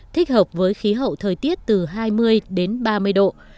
thích hợp với khí hậu thời tiết từ hai mươi đến ba mươi độ